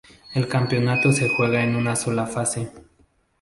El campeonato se juega en una sola fase.